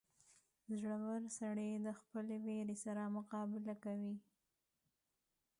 • زړور سړی د خپلو وېرې سره مقابله کوي.